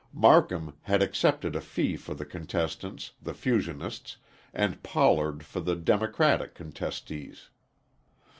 Marcum had accepted a fee for the contestants, the fusionists, and Pollard for the Democratic contestees.